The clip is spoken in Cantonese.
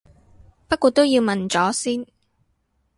不過都要問咗先